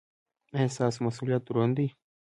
ایا ستاسو مسؤلیت دروند دی؟